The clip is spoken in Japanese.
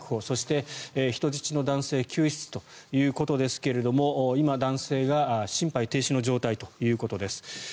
そして、人質の男性は救出ということですが今、男性が心肺停止の状態ということです。